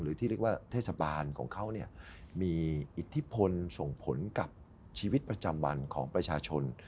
ที่เรียกว่าเทศบาลของเขามีอิทธิพลส่งผลกับชีวิตประจำวันของประชาชน